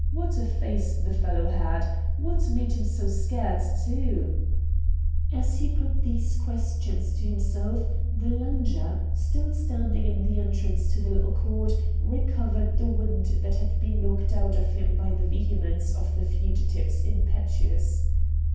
What a face the fellow had ! What made him so scared, too ?' As he put these questions to himself the lounger, still standing in the entrance to the little court, recovered the wind that had been knocked out of him by the vehemence of the fugitive's impetus.